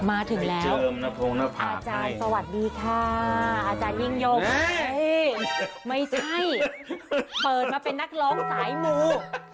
มาถึงแล้วอาจารย์สวัสดีค่ะอาจารยิ่งยงไม่ใช่เปิดมาเป็นนักร้องสายมู